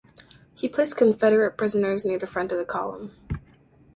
He placed Confederate prisoners near the front of the column.